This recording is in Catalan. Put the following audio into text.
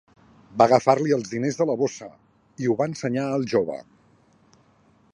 Va agafar-li els diners de la bossa i ho va ensenyar al jove.